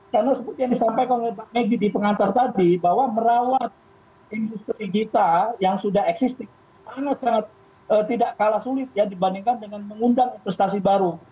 karena seperti yang ditampilkan oleh mbak maggie di pengantar tadi bahwa merawat industri kita yang sudah existing sangat sangat tidak kalah sulit ya dibandingkan dengan mengundang investasi baru